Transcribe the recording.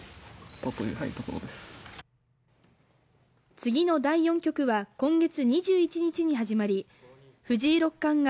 次の第４局は今月２１日に始まり、藤井六冠が